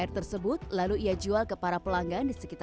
itu sebulan kurang lebih berapa ibu